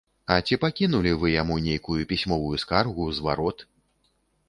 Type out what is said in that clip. А ці пакінулі вы яму нейкую пісьмовую скаргу, зварот?